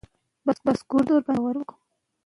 ویډیو ښکلي ښکاري خو جعلي ده.